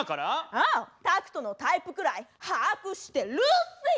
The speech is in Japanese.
うんタクトのタイプくらい把握してルーシー！